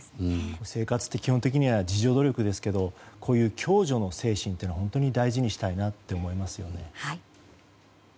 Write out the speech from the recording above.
生活って基本的には自助努力ですけどこういう共助の精神を、本当に大事にしたいなと思いますね。